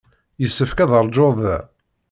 Yessefk ad ṛjuɣ da.